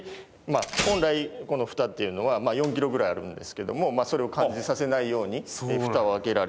本来このふたっていうのは４ｋｇぐらいあるんですけどもそれを感じさせないようにふたを開けられる仕組みになってます。